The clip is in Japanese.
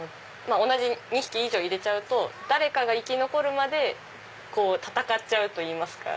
２匹以上入れちゃうと誰かが生き残るまで戦っちゃうといいますか。